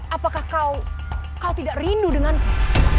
apakah kau tidak rindu denganku